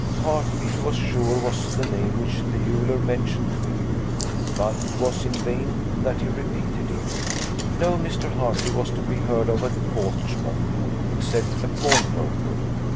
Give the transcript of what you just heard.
Hartley, he was sure, was the name which the jeweller mentioned to him, but it was in vain that he repeated it; no Mr. Hartley was to be heard of at Portsmouth, except a pawnbroker.